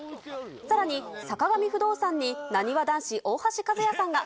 さらに、坂上不動産になにわ男子・大橋和也さんが。